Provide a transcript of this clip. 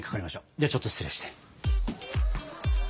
ではちょっと失礼して。